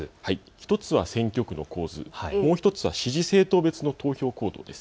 １つは選挙区の構図、もう１つは支持政党別の投票行動です。